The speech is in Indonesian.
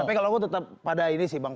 tapi kalau gue tetap pada ini sih bang